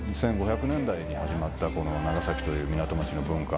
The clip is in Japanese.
１５００年代に始まったこの長崎という港町の文化。